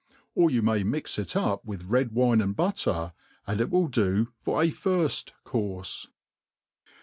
JCir yoii may mix it upiieith red wine and butter, and it will db for a firfl courfe.